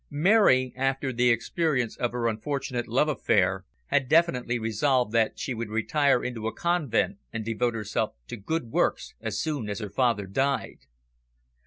Mary, after the experience of her unfortunate love affair, had definitely resolved that she would retire into a convent and devote herself to good works as soon as her father died.